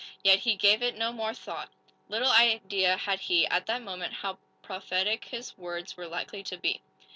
Yet he gave it no more thought. Little idea had he, at that moment, how prophetic his words were likely to be!